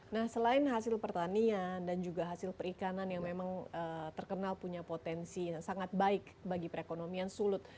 nah selain hasil pertanian dan juga hasil perikanan yang memang terkenal punya potensi yang sangat baik bagi perekonomian sulut